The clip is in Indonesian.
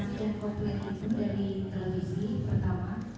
saya menerima informasi dan komplain itu dari televisi pertama